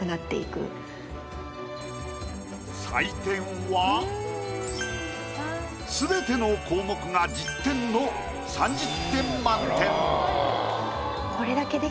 採点は全ての項目が１０点の３０点満点。